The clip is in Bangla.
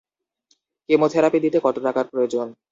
কেমোথেরাপি দিতে কত টাকার প্রয়োজন?